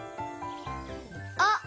あっ！